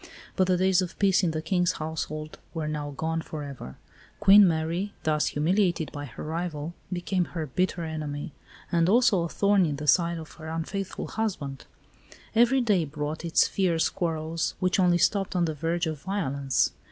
But the days of peace in the King's household were now gone for ever. Queen Marie, thus humiliated by her rival, became her bitter enemy and also a thorn in the side of her unfaithful husband. Every day brought its fierce quarrels which only stopped on the verge of violence.